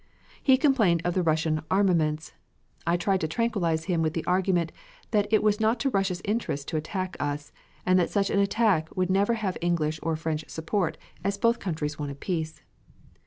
He complained of the Russian armaments. I tried to tranquilize him with the argument that it was not to Russia's interest to attack us, and that such an attack would never have English or French support, as both countries wanted peace.